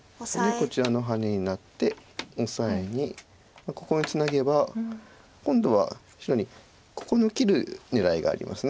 こちらのハネになってオサエにここにツナげば今度は白にここを切る狙いがあります。